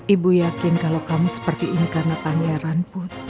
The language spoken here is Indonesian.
ibu yakin kalau kamu seperti ini karena pangeran put